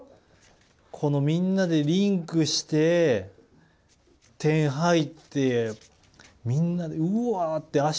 このみんなでリンクして点入ってみんなうわ！って